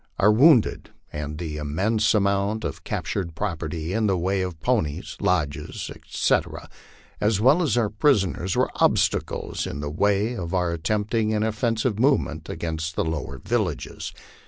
Our wounded, and the immense amount of captured property in the way of ponies, lodges, etc., as well as our prisoners, were obstacles in the way of our attempting an offensive movement against the lower villages.